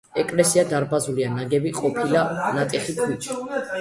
ეკლესია დარბაზულია, ნაგები ყოფილა ნატეხი ქვით.